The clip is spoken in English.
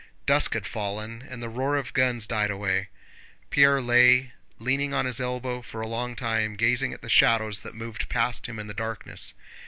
Dusk had fallen, and the roar of guns died away. Pierre lay leaning on his elbow for a long time, gazing at the shadows that moved past him in the darkness.